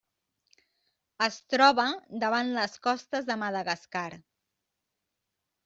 Es troba davant les costes de Madagascar.